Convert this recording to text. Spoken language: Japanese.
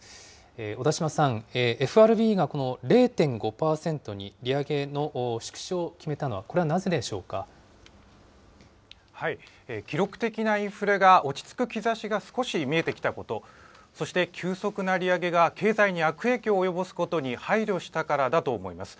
小田島さん、ＦＲＢが０．５％と利上げの縮小を決めたのは、これはなぜでしょ記録的なインフレが落ち着く兆しが少し見えてきたこと、そして急速な利上げが経済に悪影響を及ぼすことに配慮したからだと思います。